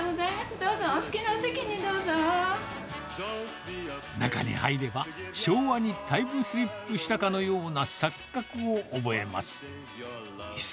どうぞ、中に入れば、昭和にタイムスリップしたかのような錯覚を覚えます。